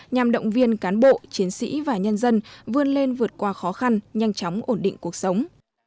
nhằm động viên cán bộ chiến sĩ và nhân dân vươn lên vượt qua khó khăn nhanh chóng ổn định cuộc sống